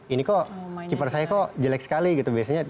ini kok keeper saya kok jelek sekali gitu biasanya